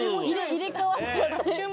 入れ替わっちゃって。